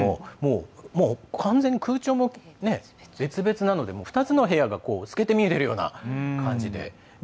もう完全に空調も別々なので２つの部屋が透けて見えている感じで。